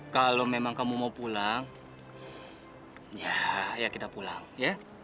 kalau memang kamu mau pulang ya ya kita pulang ya